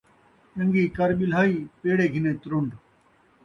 چن٘ڳی کر ٻلھائی، پیڑے گھنے ترن٘ڈ